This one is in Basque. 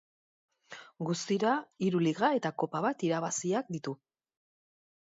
Guztira hiru liga eta Kopa bat irabaziak ditu.